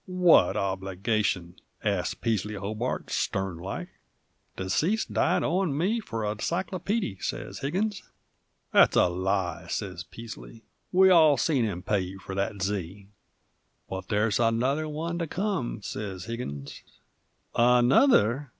"What obligation?" asked Peasley Hobart, stern like. "Deceased died owin' me f'r a cyclopeedy!" sez Higgins. "That's a lie!" sez Peasley. "We all seen him pay you for the Z!" "But there's another one to come," sez Higgins. "Another?"